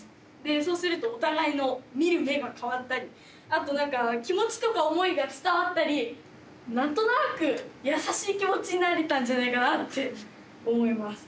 そうするとお互いの見る目が変わったりあとなんか気持ちとか思いが伝わったりなんとなく優しい気持ちになれたんじゃないかなって思います。